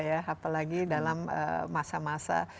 apalagi dalam masa masa